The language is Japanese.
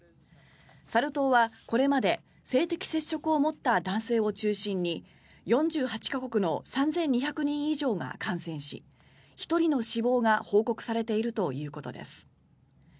サル痘はこれまで性的接触を持った男性を中心に４８か国の３２００人以上が感染し１人の死亡が報告されているということです。